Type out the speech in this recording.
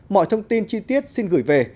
mọi thông tin chi tiết xin gửi về